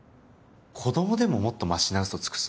子供でももっとましな嘘つくぞ。